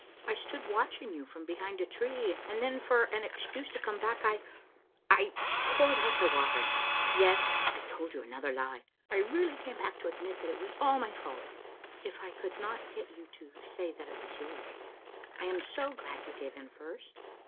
I stood watching you from behind a tree, and then, for an excuse to come back, I — I poured out the water. Yes, and I told you another lie. I really came back to admit that it was all my fault, if I could not get you to say that it was yours. I am so glad you gave in first."